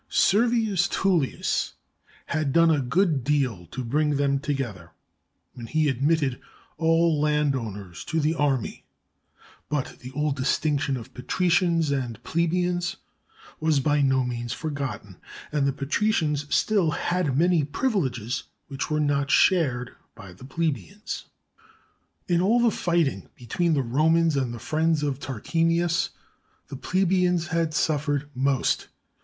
Servius Tullius had done a good deal to bring them together when he admitted all landowners to the army, but the old dis tinction of patricians and plebeians was by no means forgotten, and the patricians still had many privileges which were not shared by the plebeians. In all the fighting between the Romans and the friends of Tarquinius, the plebeians had suffered most.